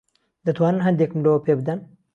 دەتوانن ھەندێکم لەوە پێ بدەن؟